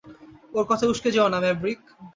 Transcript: ওর কথায় উস্কে যেও না, ম্যাভরিক।